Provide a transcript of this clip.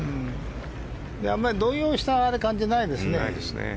あまり動揺した感じがないですね。